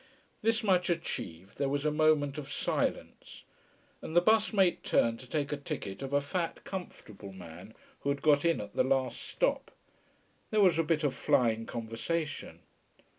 This much achieved, there was a moment of silence. And the bus mate turned to take a ticket of a fat, comfortable man who had got in at the last stop. There was a bit of flying conversation.